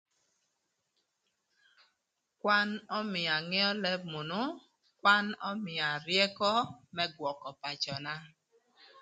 Kwan ömïö angëö lëb münü, kwan ömïa ryëkö më gwökö pacöna.